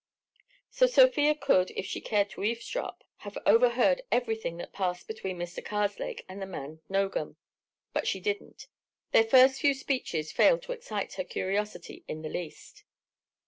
So Sofia could, if she had cared to eavesdrop, have overheard everything that passed between Mr. Karslake and the man Nogam. But she didn't; their first few speeches failed to excite her curiosity in the least.